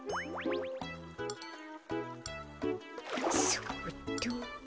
そっと。